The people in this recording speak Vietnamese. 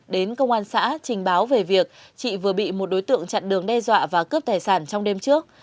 đến công an xã trình báo về việc chị vừa bị một đối tượng chặn đường đe dọa và cướp tài sản trong đêm trước